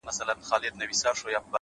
نه پوهېږم چي په څه سره خـــنـــديــــږي،